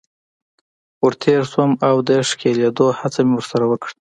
ور تیر شوم او د ښکلېدلو هڅه مې ورسره وکړه.